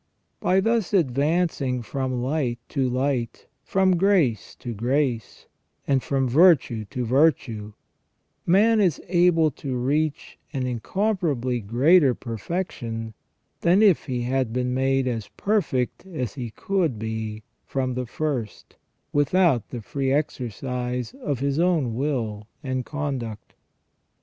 By thus advancing from light to light, from grace to grace, and from virtue to virtue, man is able to reach an incomparably greater per fection than if he had been made as perfect as he could be from the first, without the free exercise of his own will and conduct.